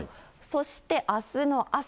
そしてあすの朝。